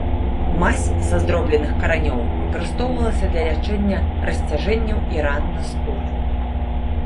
Мазь са здробненых каранёў выкарыстоўвалася для лячэння расцяжэнняў і ран на скуры.